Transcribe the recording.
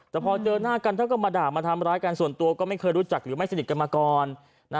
แต่พอเจอหน้ากันถ้าก็มาด่ามาทำร้ายกันส่วนตัวก็ไม่เคยรู้จักหรือไม่สนิทกันมาก่อน